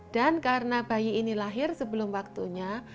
dan karena bayi ini lahir sebelum waktunya